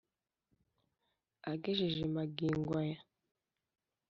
agejeje magingo aya.